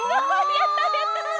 やったやった！